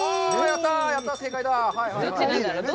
やったぁ、正解だ。